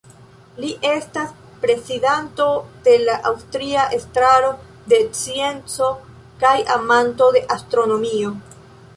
Li estas prezidanto de la Aŭstria Estraro de Scienco kaj amanto de astronomio.